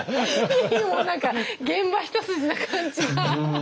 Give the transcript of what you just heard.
いえいえもう何か現場一筋な感じが。